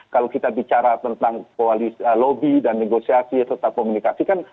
kalau kita bicara tentang lobby dan negosiasi serta komunikasi kan